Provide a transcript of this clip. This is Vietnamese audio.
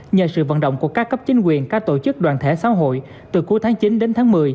nhờ sự vận động của các cấp chính quyền các tổ chức đoàn thể xã hội từ cuối tháng chín đến tháng một mươi